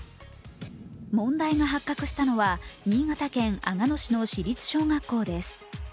問題が発覚したのは新潟県阿賀野市の市立小学校です。